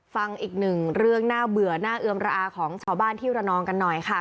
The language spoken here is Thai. ฟังอีกหนึ่งเรื่องน่าเบื่อน่าเอือมระอาของชาวบ้านที่ระนองกันหน่อยค่ะ